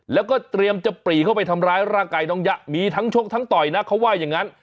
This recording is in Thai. แล้วก็เตรียมจะปรีเข้าไปทำร้ายร่างกายน้องยะมีทั้งชกทั้งต่อยนะเขาว่าอย่างนั้น